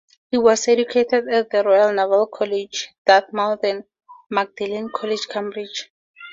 He was educated at the Royal Naval College, Dartmouth and Magdalene College, Cambridge.